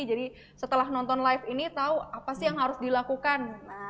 jadi setelah nonton live ini tau apa sih yang harus dilakukan